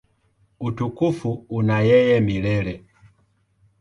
Utukufu una yeye milele.